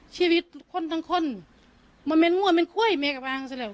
ชีวิตคนทั้งคนมันเป็นง่วงมันค่อยไม่กับอ้างซะแล้ว